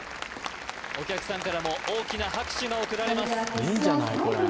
お客さんからも大きな拍手が送られます